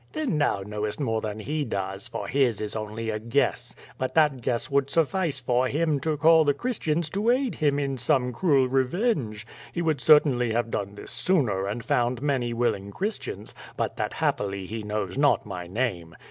'' "Then thou knowest more than he does, for his is only a guess. But that guess would suffice for him to call the Christians to aid him in some cruel re venge. He would certainly have done this sooner and found many willing Christians, but that happily he knows not my name.